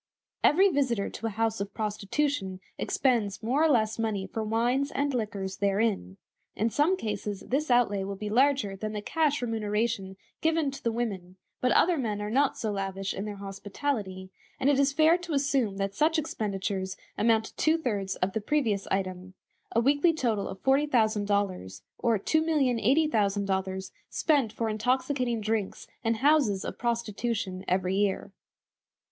Every visitor to a house of prostitution expends more or less money for wines and liquors therein. In some cases this outlay will be larger than the cash remuneration given to the women, but other men are not so lavish in their hospitality; and it is fair to assume that such expenditures amount to two thirds of the previous item a weekly total of $40,000, or $2,080,000 spent for intoxicating drinks in houses of prostitution every year.